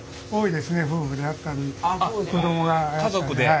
家族で。